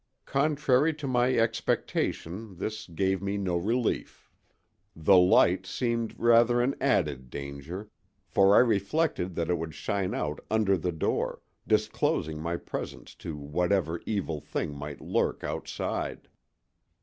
Contrary to my expectation this gave me no relief; the light seemed rather an added danger, for I reflected that it would shine out under the door, disclosing my presence to whatever evil thing might lurk outside.